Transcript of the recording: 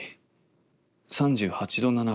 ３８度７分。